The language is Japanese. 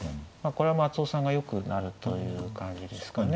これは松尾さんがよくなるという感じですかね。